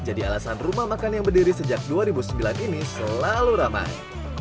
jadi alasan rumah makan yang berdiri sejak dua ribu sembilan ini selalu ramai